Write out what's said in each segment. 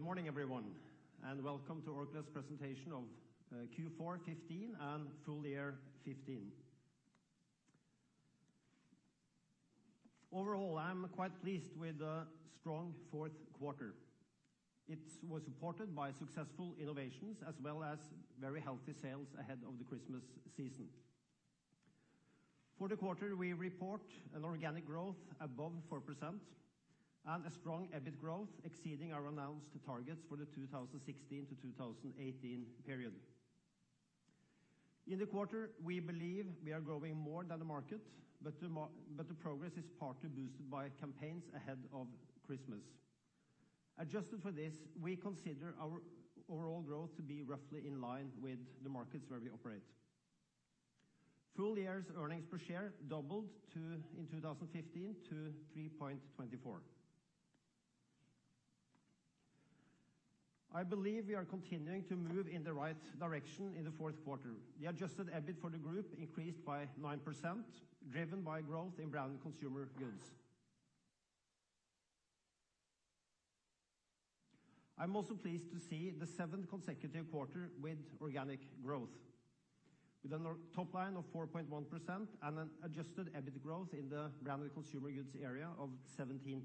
Good morning, everyone, and welcome to Orkla's presentation of Q4 2015 and full year 2015. Overall, I'm quite pleased with the strong fourth quarter. It was supported by successful innovations as well as very healthy sales ahead of the Christmas season. For the quarter, we report an organic growth above 4% and a strong EBIT growth exceeding our announced targets for the 2016 to 2018 period. In the quarter, we believe we are growing more than the market, but the progress is partly boosted by campaigns ahead of Christmas. Adjusted for this, we consider our overall growth to be roughly in line with the markets where we operate. Full year's earnings per share doubled in 2015 to NOK 3.24. I believe we are continuing to move in the right direction in the fourth quarter. The adjusted EBIT for the group increased by 9%, driven by growth in Branded Consumer Goods. I'm also pleased to see the seventh consecutive quarter with organic growth, with a top line of 4.1% and an adjusted EBIT growth in the Branded Consumer Goods area of 17%.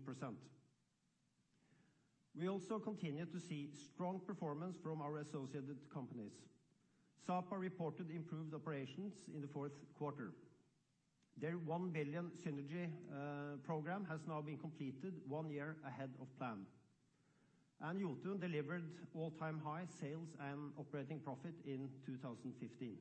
We also continue to see strong performance from our associated companies. Sapa reported improved operations in the fourth quarter. Their 1 billion synergy program has now been completed one year ahead of plan, and Jotun delivered all-time high sales and operating profit in 2015.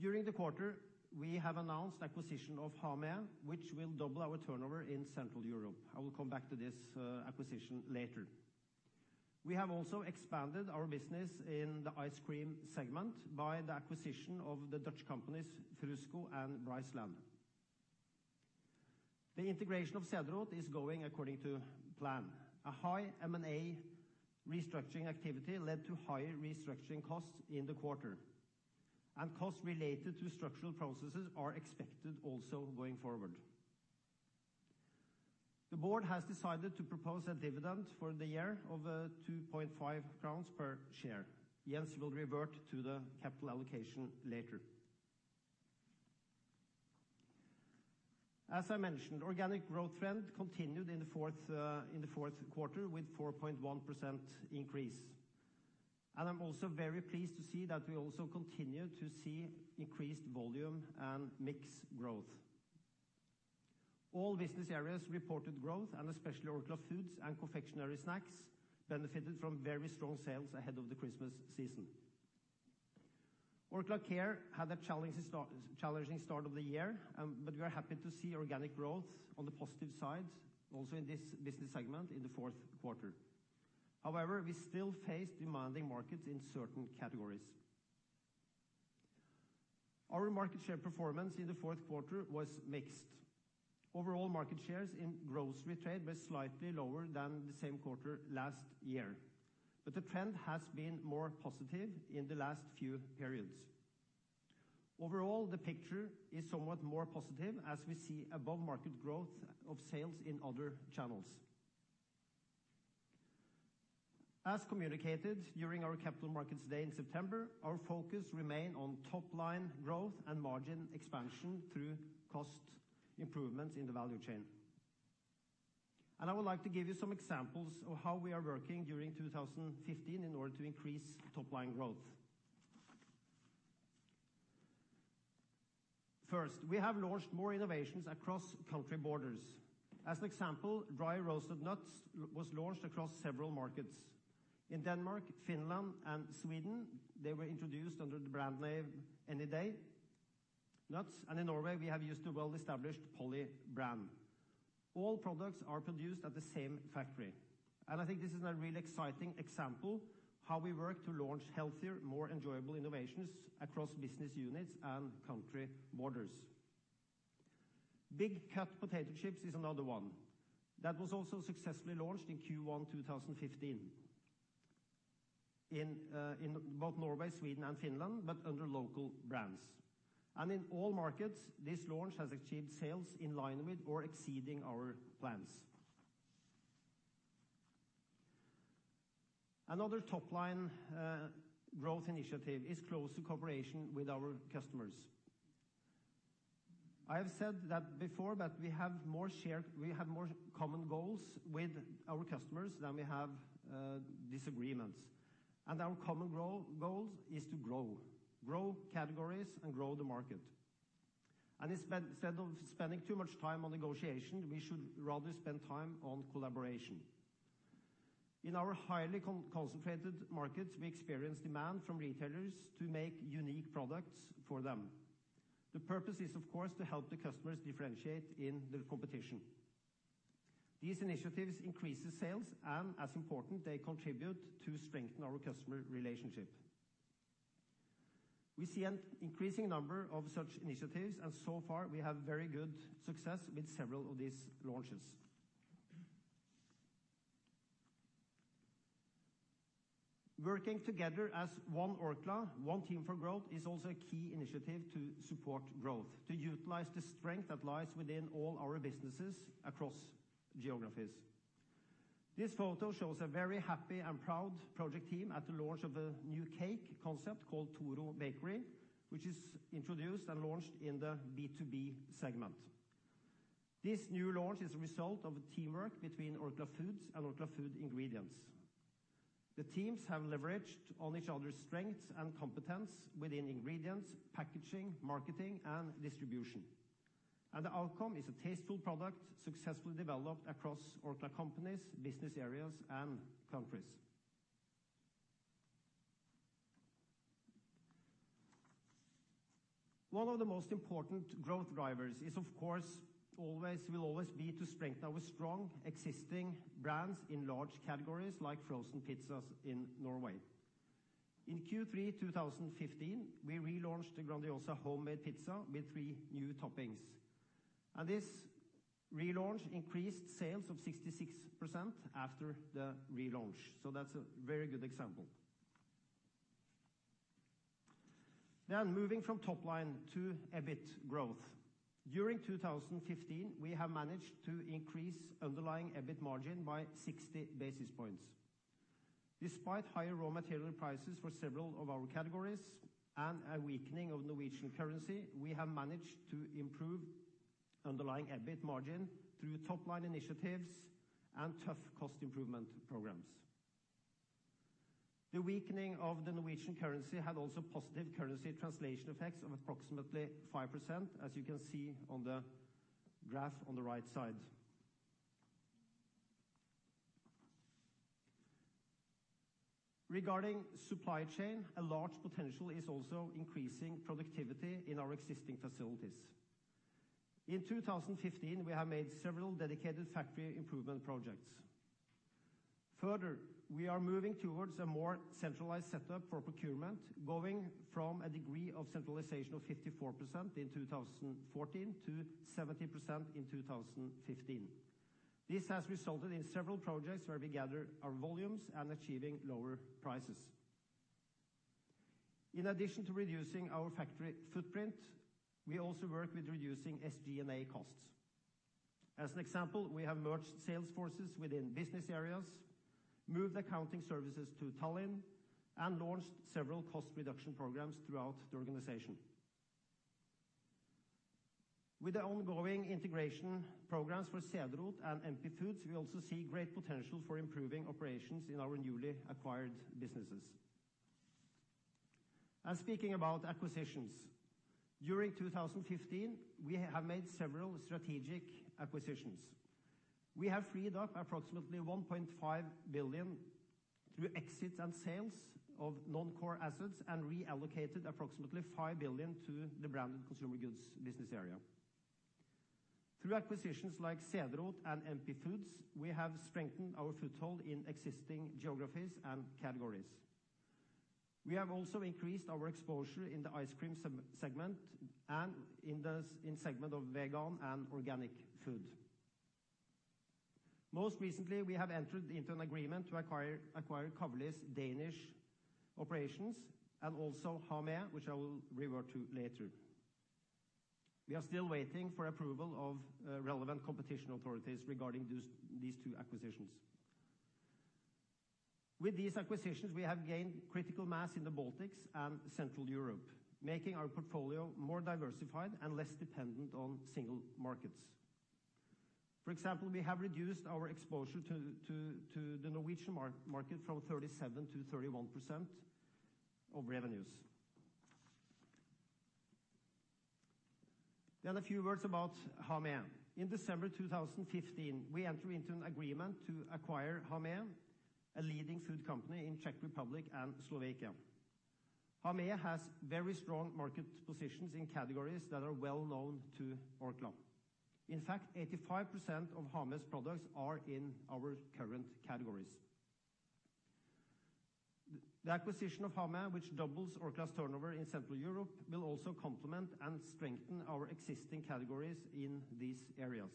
During the quarter, we have announced acquisition of Hamé, which will double our turnover in Central Europe. I will come back to this acquisition later. We have also expanded our business in the ice cream segment by the acquisition of the Dutch companies Frusco and Rijseland. The integration of Cederroth is going according to plan. A high M&A restructuring activity led to higher restructuring costs in the quarter, and costs related to structural processes are expected also going forward. The board has decided to propose a dividend for the year of 2.5 crowns per share. Jens will revert to the capital allocation later. As I mentioned, organic growth trend continued in the fourth quarter with 4.1% increase, and I'm also very pleased to see that we also continue to see increased volume and mix growth. All business areas reported growth, and especially Orkla Foods and Confectionery Snacks benefited from very strong sales ahead of the Christmas season. Orkla Care had a challenging start of the year, but we are happy to see organic growth on the positive side also in this business segment in the fourth quarter. However, we still face demanding markets in certain categories. Our market share performance in the fourth quarter was mixed. Overall market shares in grocery trade were slightly lower than the same quarter last year, but the trend has been more positive in the last few periods. Overall, the picture is somewhat more positive as we see above-market growth of sales in other channels. As communicated during our Capital Markets Day in September, our focus remain on top-line growth and margin expansion through cost improvements in the value chain. I would like to give you some examples of how we are working during 2015 in order to increase top-line growth. First, we have launched more innovations across country borders. As an example, dry roasted nuts was launched across several markets. In Denmark, Finland, and Sweden, they were introduced under the brand name Anyday Nuts, and in Norway, we have used the well-established Polly brand. All products are produced at the same factory. I think this is a really exciting example how we work to launch healthier, more enjoyable innovations across business units and country borders. Big Cut potato chips is another one. That was also successfully launched in Q1 2015 in both Norway, Sweden, and Finland, but under local brands. In all markets, this launch has achieved sales in line with or exceeding our plans. Another top-line growth initiative is close cooperation with our customers. I have said that before, that we have more common goals with our customers than we have disagreements. Our common goals is to grow categories and grow the market. Instead of spending too much time on negotiation, we should rather spend time on collaboration. In our highly concentrated markets, we experience demand from retailers to make unique products for them. The purpose is, of course, to help the customers differentiate in the competition. These initiatives increases sales and, as important, they contribute to strengthen our customer relationship. So far we have very good success with several of these launches. Working together as One Orkla, one team for growth, is also a key initiative to support growth, to utilize the strength that lies within all our businesses across geographies. This photo shows a very happy and proud project team at the launch of a new cake concept called Toro Bakery, which is introduced and launched in the B2B segment. This new launch is a result of teamwork between Orkla Foods and Orkla Food Ingredients. The teams have leveraged on each other's strengths and competence within ingredients, packaging, marketing, and distribution. The outcome is a tasteful product successfully developed across Orkla companies, business areas, and countries. One of the most important growth drivers is, of course, will always be to strengthen our strong existing brands in large categories like frozen pizzas in Norway. In Q3 2015, we relaunched the Grandiosa homemade pizza with three new toppings. This relaunch increased sales of 66% after the relaunch, so that's a very good example. Moving from top line to EBIT growth. During 2015, we have managed to increase underlying EBIT margin by 60 basis points. Despite higher raw material prices for several of our categories and a weakening of Norwegian currency, we have managed to improve underlying EBIT margin through top-line initiatives and tough cost improvement programs. The weakening of the Norwegian currency had also positive currency translation effects of approximately 5%, as you can see on the graph on the right side. Regarding supply chain, a large potential is also increasing productivity in our existing facilities. In 2015, we have made several dedicated factory improvement projects. Further, we are moving towards a more centralized setup for procurement, going from a degree of centralization of 54% in 2014 to 70% in 2015. This has resulted in several projects where we gather our volumes and achieving lower prices. In addition to reducing our factory footprint, we also work with reducing SG&A costs. As an example, we have merged sales forces within business areas, moved accounting services to Tallinn, and launched several cost reduction programs throughout the organization. With the ongoing integration programs for Cederroth and NP Foods, we also see great potential for improving operations in our newly acquired businesses. Speaking about acquisitions, during 2015, we have made several strategic acquisitions. We have freed up approximately 1.5 billion through exits and sales of non-core assets and reallocated approximately 5 billion to the Branded Consumer Goods business area. Through acquisitions like Cederroth and NP Foods, we have strengthened our foothold in existing geographies and categories. We have also increased our exposure in the ice cream segment and in segment of vegan and organic food. Most recently, we have entered into an agreement to acquire Kavli's Danish operations and also Hamé, which I will revert to later. We are still waiting for approval of relevant competition authorities regarding these two acquisitions. With these acquisitions, we have gained critical mass in the Baltics and Central Europe, making our portfolio more diversified and less dependent on single markets. For example, we have reduced our exposure to the Norwegian market from 37% to 31% of revenues. A few words about Hamé. In December 2015, we entered into an agreement to acquire Hamé, a leading food company in Czech Republic and Slovakia. Hamé has very strong market positions in categories that are well known to Orkla. In fact, 85% of Hamé's products are in our current categories. The acquisition of Hamé, which doubles Orkla's turnover in Central Europe, will also complement and strengthen our existing categories in these areas.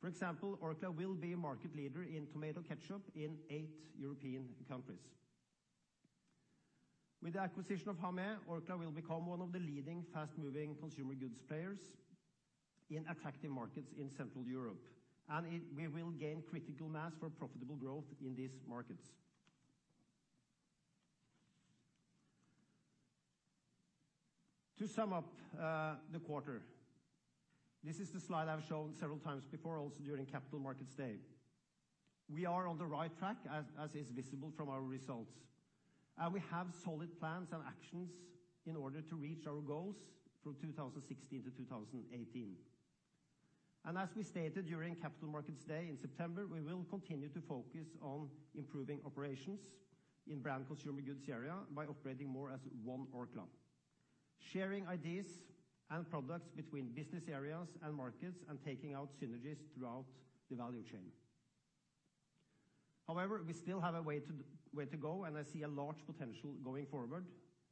For example, Orkla will be market leader in tomato ketchup in eight European countries. With the acquisition of Hamé, Orkla will become one of the leading fast-moving consumer goods players in attractive markets in Central Europe, we will gain critical mass for profitable growth in these markets. To sum up the quarter, this is the slide I've shown several times before, also during Capital Markets Day. We are on the right track, as is visible from our results. We have solid plans and actions in order to reach our goals from 2016 to 2018. As we stated during Capital Markets Day in September, we will continue to focus on improving operations in Branded Consumer Goods area by operating more as One Orkla, sharing ideas and products between business areas and markets and taking out synergies throughout the value chain. However, we still have a way to go, I see a large potential going forward,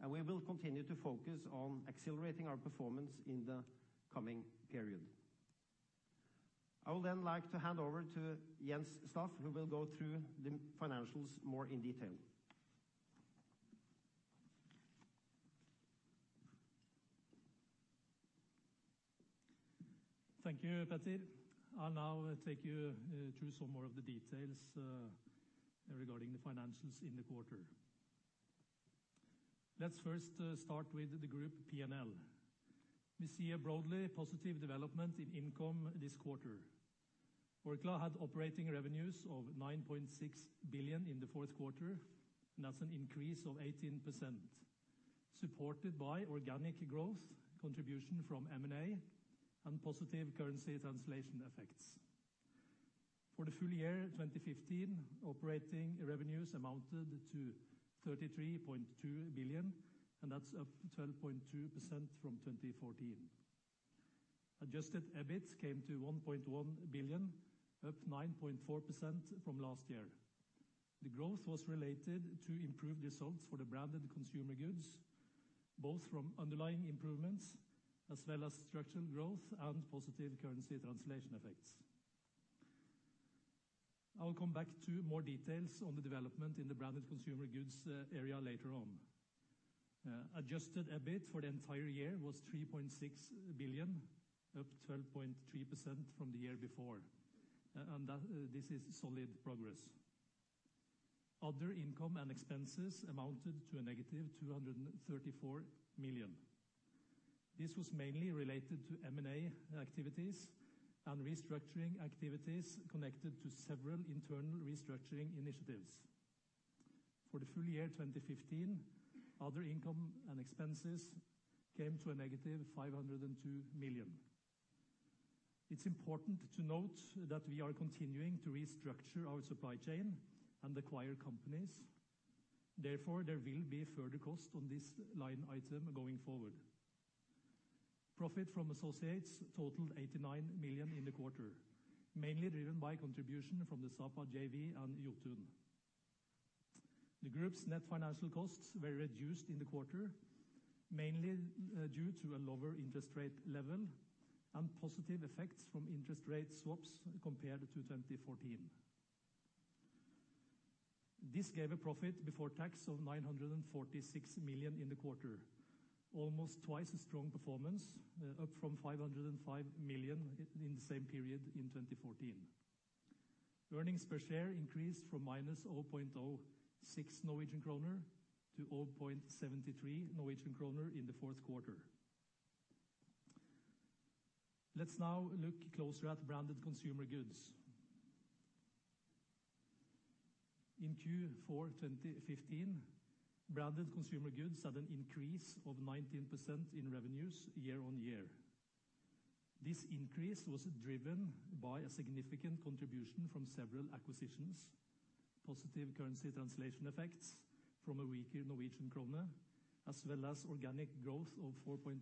we will continue to focus on accelerating our performance in the coming period. I would then like to hand over to Jens Staff, who will go through the financials more in detail. Thank you, Peter. I'll now take you through some more of the details regarding the financials in the quarter. Let's first start with the group P&L. We see a broadly positive development in income this quarter. Orkla had operating revenues of 9.6 billion in the fourth quarter. That's an increase of 18%, supported by organic growth, contribution from M&A, and positive currency translation effects. For the full year 2015, operating revenues amounted to 33.2 billion, and that's up 12.2% from 2014. Adjusted EBIT came to 1.1 billion, up 9.4% from last year. The growth was related to improved results for the branded consumer goods, both from underlying improvements as well as structural growth and positive currency translation effects. I will come back to more details on the development in the branded consumer goods area later on. Adjusted EBIT for the entire year was 3.6 billion, up 12.3% from the year before. This is solid progress. Other income and expenses amounted to a negative 234 million. This was mainly related to M&A activities and restructuring activities connected to several internal restructuring initiatives. For the full year 2015, other income and expenses came to a negative 502 million. It's important to note that we are continuing to restructure our supply chain and acquire companies. Therefore, there will be further cost on this line item going forward. Profit from associates totaled 89 million in the quarter, mainly driven by contribution from the Sapa JV and Jotun. The group's net financial costs were reduced in the quarter, mainly due to a lower interest rate level and positive effects from interest rate swaps compared to 2014. This gave a profit before tax of 946 million in the quarter, almost twice a strong performance, up from 505 million in the same period in 2014. Earnings per share increased from -0.06 Norwegian kroner to 0.73 Norwegian kroner in the fourth quarter. Let's now look closer at branded consumer goods. In Q4 2015, branded consumer goods had an increase of 19% in revenues year-over-year. This increase was driven by a significant contribution from several acquisitions, positive currency translation effects from a weaker Norwegian kroner, as well as organic growth of 4.1%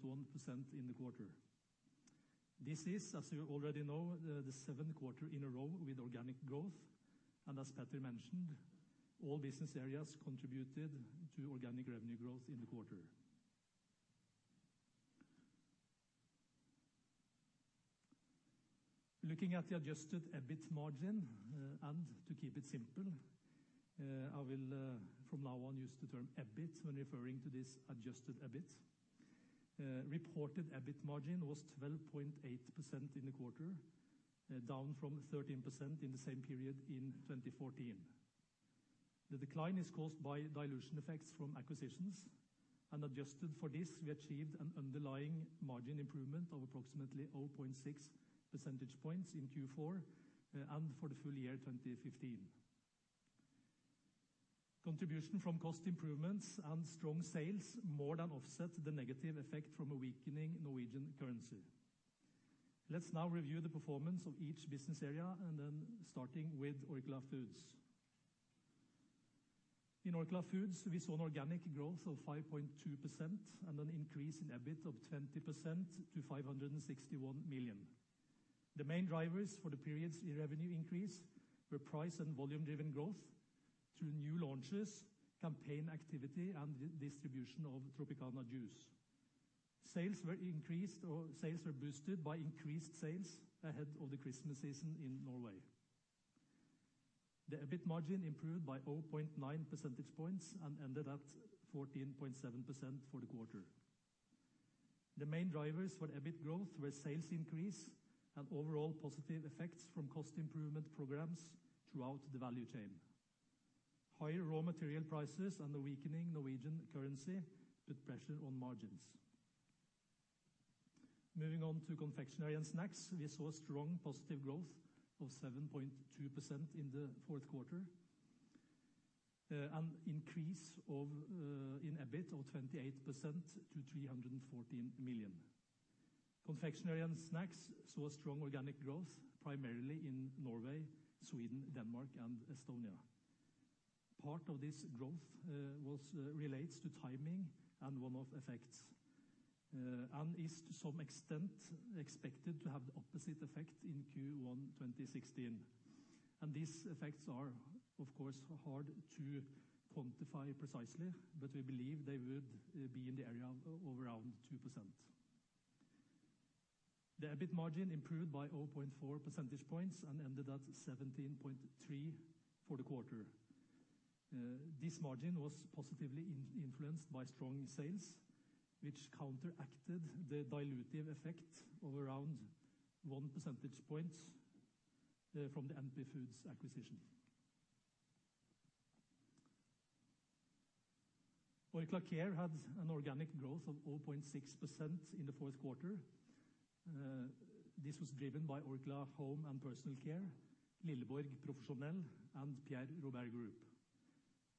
in the quarter. This is, as you already know, the seventh quarter in a row with organic growth, and as Petter mentioned, all business areas contributed to organic revenue growth in the quarter. Looking at the adjusted EBIT margin, and to keep it simple, I will from now on use the term EBIT when referring to this adjusted EBIT. Reported EBIT margin was 12.8% in the quarter, down from 13% in the same period in 2014. The decline is caused by dilution effects from acquisitions. Adjusted for this, we achieved an underlying margin improvement of approximately 0.6 percentage points in Q4 and for the full year 2015. Contribution from cost improvements and strong sales more than offset the negative effect from a weakening Norwegian currency. Let's now review the performance of each business area and then starting with Orkla Foods. In Orkla Foods, we saw an organic growth of 5.2% and an increase in EBIT of 20% to 561 million. The main drivers for the period's revenue increase were price and volume-driven growth through new launches, campaign activity, and the distribution of Tropicana juice. Sales were boosted by increased sales ahead of the Christmas season in Norway. The EBIT margin improved by 0.9 percentage points and ended at 14.7% for the quarter. The main drivers for EBIT growth were sales increase and overall positive effects from cost improvement programs throughout the value chain. Higher raw material prices and the weakening Norwegian currency put pressure on margins. Moving on to confectionery and snacks, we saw strong positive growth of 7.2% in the fourth quarter, an increase in EBIT of 28% to 314 million. Confectionery and snacks saw strong organic growth, primarily in Norway, Sweden, Denmark, and Estonia. Part of this growth relates to timing and one-off effects, and is to some extent expected to have the opposite effect in Q1 2016. These effects are, of course, hard to quantify precisely, but we believe they would be in the area of over around 2%. The EBIT margin improved by 0.4 percentage points and ended at 17.3% for the quarter. This margin was positively influenced by strong sales, which counteracted the dilutive effect of around one percentage point from the NP Foods acquisition. Orkla Care had an organic growth of 0.6% in the fourth quarter. This was driven by Orkla Home & Personal Care, Lilleborg Profesjonell, and Pierre Robert Group.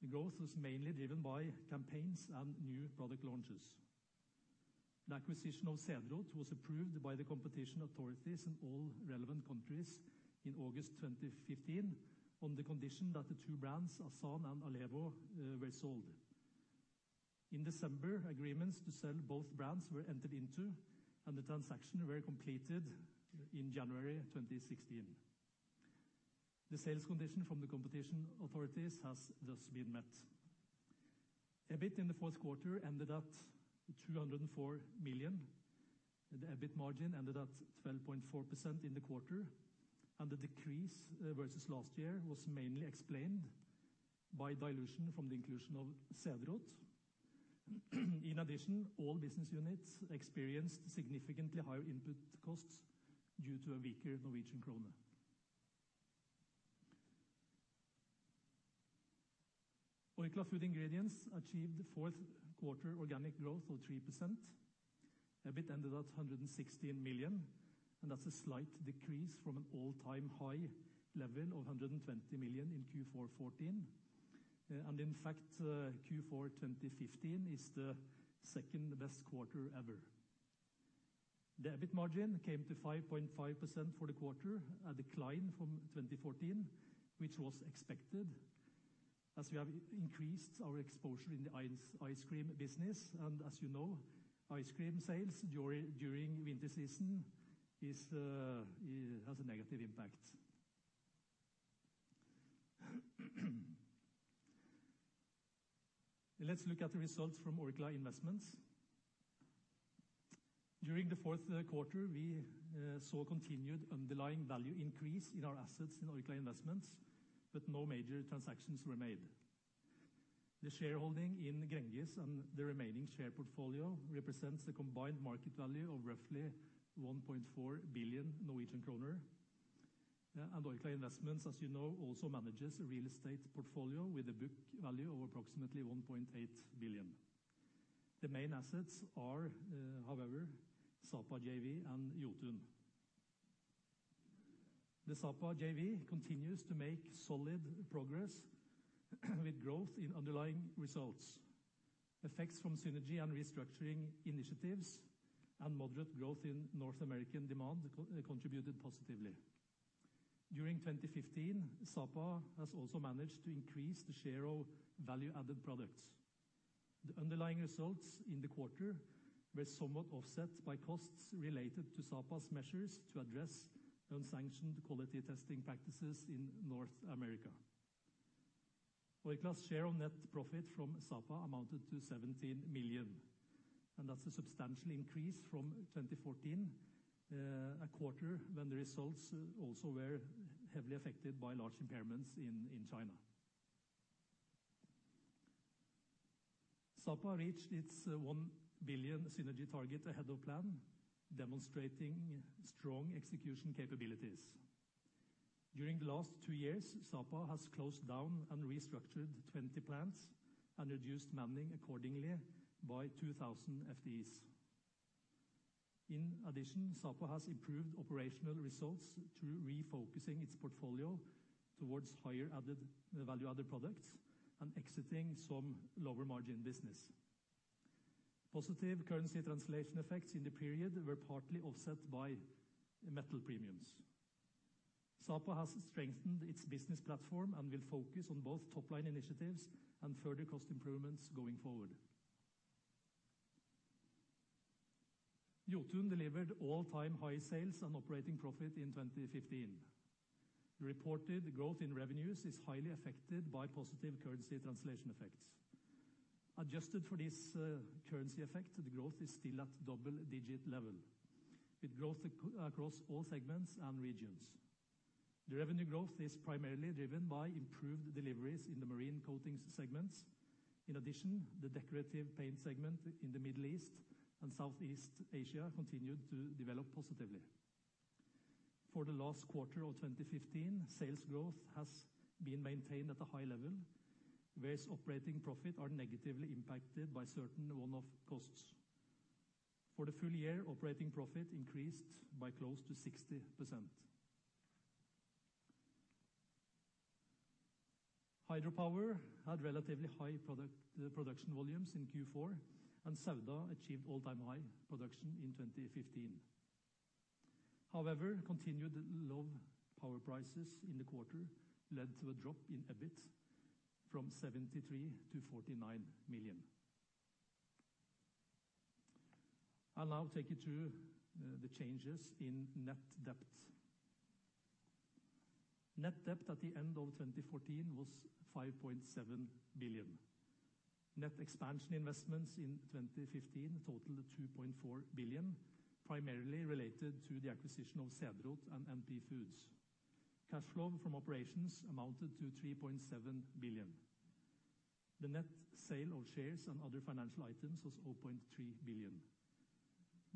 The growth was mainly driven by campaigns and new product launches. The acquisition of Cederroth was approved by the competition authorities in all relevant countries in August 2015, on the condition that the two brands, Asan and Lepo, were sold. In December, agreements to sell both brands were entered into, and the transaction were completed in January 2016. The sales condition from the competition authorities has thus been met. EBIT in the fourth quarter ended at 204 million. The EBIT margin ended at 12.4% in the quarter, and the decrease versus last year was mainly explained by dilution from the inclusion of Cederroth. In addition, all business units experienced significantly higher input costs due to a weaker Norwegian krone. Orkla Food Ingredients achieved fourth quarter organic growth of 3%. EBIT ended at 116 million, and that's a slight decrease from an all-time high level of 120 million in Q4 2014. In fact, Q4 2015 is the second-best quarter ever. The EBIT margin came to 5.5% for the quarter, a decline from 2014, which was expected, as we have increased our exposure in the ice cream business. As you know, ice cream sales during winter season has a negative impact. Let's look at the results from Orkla Investments. During the fourth quarter, we saw continued underlying value increase in our assets in Orkla Investments, but no major transactions were made. The shareholding in Greengates and the remaining share portfolio represents a combined market value of roughly 1.4 billion Norwegian kroner. Orkla Investments, as you know, also manages a real estate portfolio with a book value of approximately 1.8 billion. The main assets are, however, Sapa JV and Jotun. The Sapa JV continues to make solid progress with growth in underlying results. Effects from synergy and restructuring initiatives and moderate growth in North American demand contributed positively. During 2015, Sapa has also managed to increase the share of value-added products. The underlying results in the quarter were somewhat offset by costs related to Sapa's measures to address unsanctioned quality testing practices in North America. Orkla's share of net profit from Sapa amounted to 17 million. That's a substantial increase from 2014, a quarter when the results also were heavily affected by large impairments in China. Sapa reached its 1 billion synergy target ahead of plan, demonstrating strong execution capabilities. During the last 2 years, Sapa has closed down and restructured 20 plants and reduced manning accordingly by 2,000 FTEs. In addition, Sapa has improved operational results through refocusing its portfolio towards higher value-added products and exiting some lower-margin business. Positive currency translation effects in the period were partly offset by metal premiums. Sapa has strengthened its business platform and will focus on both top-line initiatives and further cost improvements going forward. Jotun delivered all-time high sales and operating profit in 2015. The reported growth in revenues is highly affected by positive currency translation effects. Adjusted for this currency effect, the growth is still at double-digit level, with growth across all segments and regions. The revenue growth is primarily driven by improved deliveries in the marine coatings segments. In addition, the decorative paint segment in the Middle East and Southeast Asia continued to develop positively. For the last quarter of 2015, sales growth has been maintained at a high level, whereas operating profit are negatively impacted by certain one-off costs. For the full year, operating profit increased by close to 60%. Hydro Power had relatively high production volumes in Q4. Sauda achieved all-time high production in 2015. However, continued low power prices in the quarter led to a drop in EBIT from 73 million to 49 million. I'll now take you through the changes in net debt. Net debt at the end of 2014 was 5.7 billion. Net expansion investments in 2015 totaled 2.4 billion, primarily related to the acquisition of Cederroth and NP Foods. Cash flow from operations amounted to 3.7 billion. The net sale of shares and other financial items was 0.3 billion.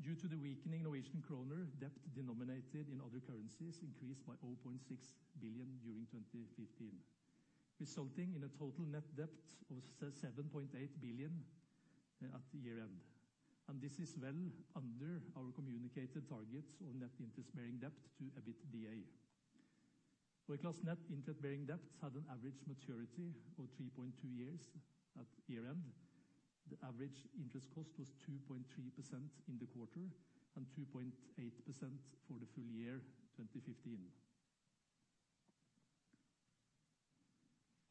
Due to the weakening Norwegian kroner, debt denominated in other currencies increased by 0.6 billion during 2015, resulting in a total net debt of 7.8 billion at year-end. This is well under our communicated targets on net interest-bearing debt to EBITDA. Orkla's net interest-bearing debt had an average maturity of 3.2 years at year-end. The average interest cost was 2.3% in the quarter and 2.8% for the full year 2015.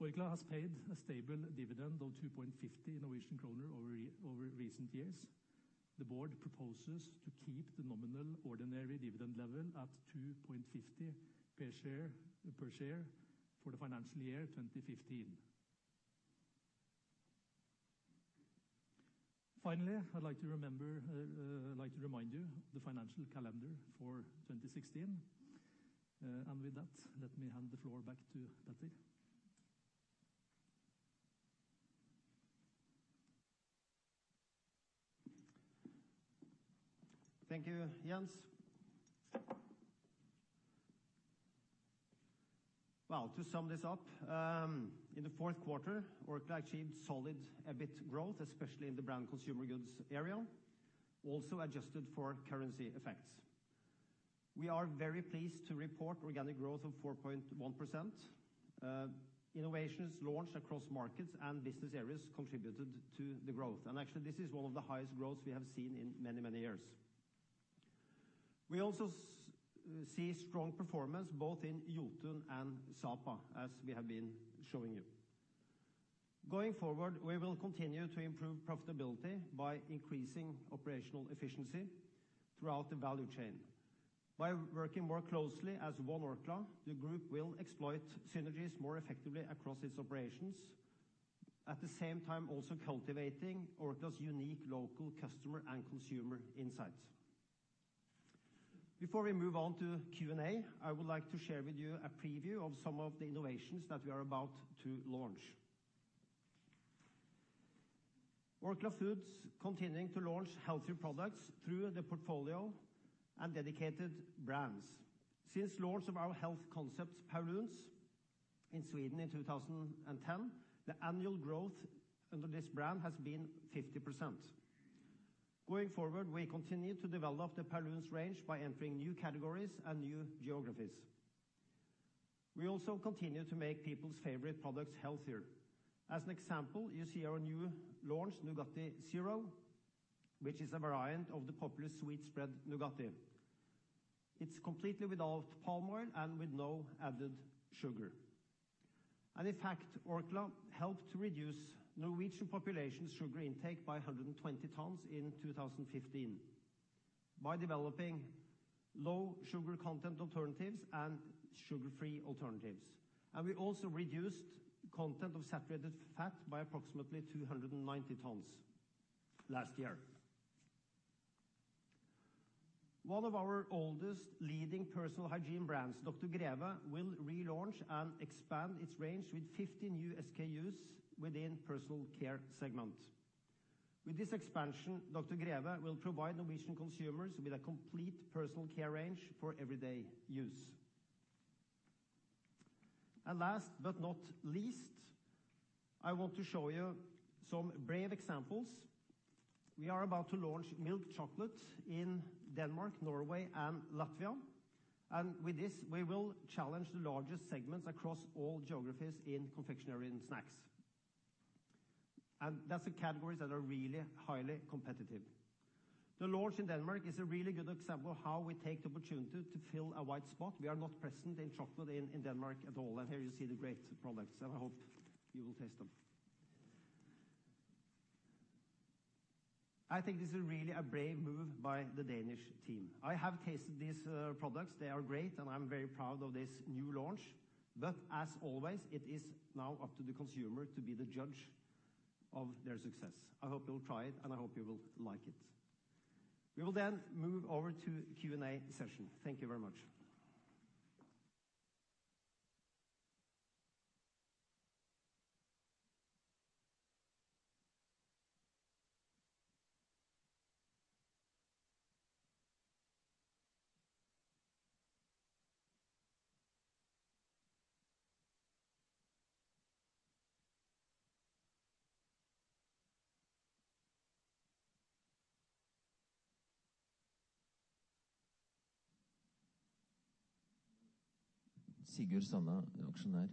Orkla has paid a stable dividend of 2.50 Norwegian kroner over recent years. The board proposes to keep the nominal ordinary dividend level at 2.50 per share for the financial year 2015. Finally, I'd like to remind you of the financial calendar for 2016. With that, let me hand the floor back to Petter. Thank you, Jens. Well, to sum this up, in the fourth quarter, Orkla achieved solid EBIT growth, especially in the Branded Consumer Goods area, also adjusted for currency effects. We are very pleased to report organic growth of 4.1%. Innovations launched across markets and business areas contributed to the growth. Actually, this is one of the highest growths we have seen in many years. We also see strong performance both in Jotun and Sapa, as we have been showing you. Going forward, we will continue to improve profitability by increasing operational efficiency throughout the value chain. By working more closely as One Orkla, the group will exploit synergies more effectively across its operations, at the same time, also cultivating Orkla's unique local customer and consumer insights. Before we move on to Q&A, I would like to share with you a preview of some of the innovations that we are about to launch. Orkla Foods continuing to launch healthier products through the portfolio and dedicated brands. Since launch of our health concept Paulúns in Sweden in 2010, the annual growth under this brand has been 50%. Going forward, we continue to develop the Paulúns range by entering new categories and new geographies. We also continue to make people's favorite products healthier. As an example, you see our new launch, Nugatti Zero, which is a variant of the popular sweet spread Nugatti. It's completely without palm oil and with no added sugar. In fact, Orkla helped to reduce Norwegian population sugar intake by 120 tons in 2015 by developing low sugar content alternatives and sugar-free alternatives. We also reduced content of saturated fat by approximately 290 tons last year. One of our oldest leading personal hygiene brands, Dr. Greve, will relaunch and expand its range with 50 new SKUs within personal care segment. With this expansion, Dr. Greve will provide Norwegian consumers with a complete personal care range for everyday use. Last but not least, I want to show you some brave examples. We are about to launch milk chocolate in Denmark, Norway, and Latvia. With this, we will challenge the largest segments across all geographies in confectionery and snacks. That's the categories that are really highly competitive. The launch in Denmark is a really good example how we take the opportunity to fill a white spot. We are not present in chocolate in Denmark at all. Here you see the great products, and I hope you will taste them. I think this is really a brave move by the Danish team. I have tasted these products. They are great, and I'm very proud of this new launch. As always, it is now up to the consumer to be the judge of their success. I hope you'll try it, and I hope you will like it. We will move over to Q&A session. Thank you very much. Sigurd Salvesen, Auctionaire.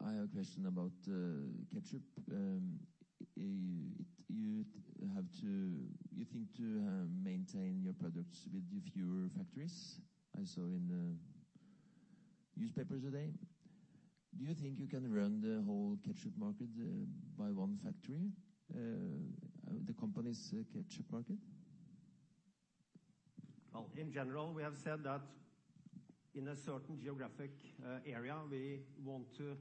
I have a question about ketchup. You think to maintain your products with fewer factories? I saw in Newspapers today. Do you think you can run the whole ketchup market by one factory? The company's ketchup market? Well, in general, we have said that in a certain geographic area, we want to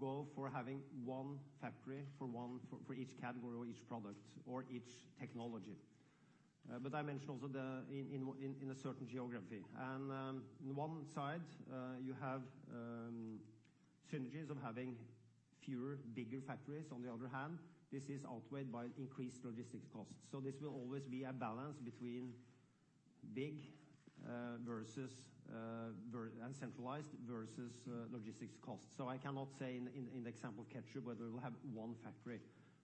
go for having one factory for each category or each product or each technology. I mentioned also in a certain geography. On one side, you have synergies of having fewer, bigger factories. On the other hand, this is outweighed by increased logistics costs. This will always be a balance between big and centralized versus logistics costs. I cannot say in the example of ketchup, whether we'll have one factory,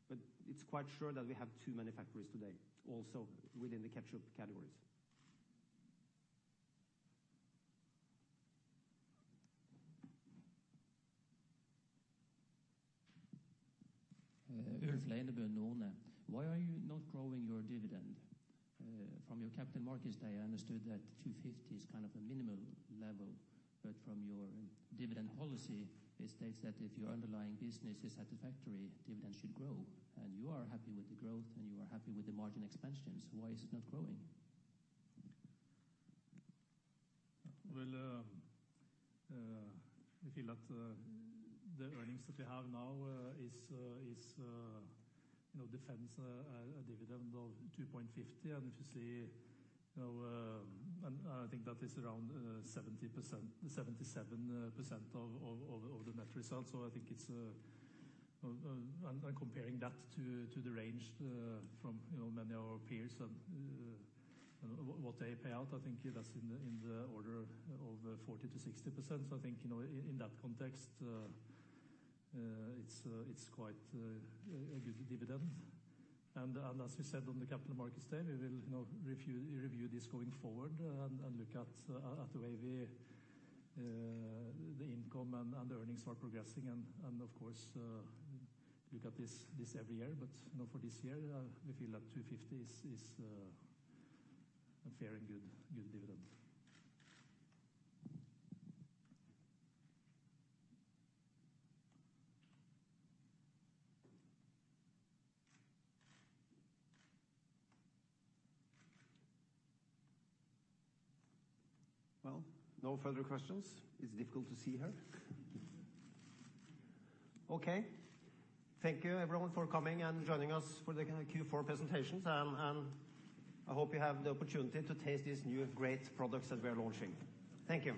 but it's quite sure that we have too many factories today, also within the ketchup categories. Why are you not growing your dividend? From your Capital Markets Day, I understood that 2.50 is kind of a minimum level. From your dividend policy, it states that if your underlying business is satisfactory, dividends should grow, and you are happy with the growth, and you are happy with the margin expansions. Why is it not growing? Well, we feel that the earnings that we have now defends a dividend of NOK 2.50. I think that is around 77% of the net results. I'm comparing that to the range from many of our peers and what they pay out. I think that's in the order of 40%-60%. I think, in that context, it's quite a good dividend. As we said on the Capital Markets Day, we will review this going forward and look at the way the income and the earnings are progressing and, of course, look at this every year. For this year, we feel that 2.50 is a fair and good dividend. Well, no further questions. It is difficult to see here. Okay. Thank you everyone for coming and joining us for the Q4 presentations. I hope you have the opportunity to taste these new great products that we are launching. Thank you.